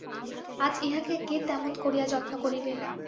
আজ ইহাকে কে তেমন করিয়া যত্ন করিবে।